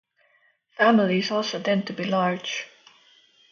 Families also tend to be large.